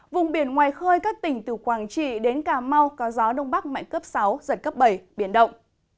vùng biển ngoài khơi các tỉnh từ quảng trị đến cà mau có gió đông bắc mạnh cấp sáu giật cấp bảy biển động